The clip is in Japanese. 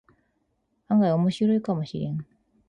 案外オモシロイかもしれん